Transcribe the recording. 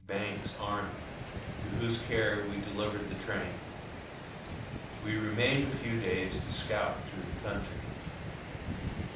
Banks' army, to whose care we delivered the train. We remained a few days to scout through the country.